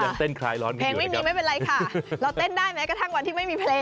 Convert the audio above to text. ร้านเพลงไม่มีไม่เป็นไงเราเต้นได้ไหมถ้างวันที่ไม่มีผล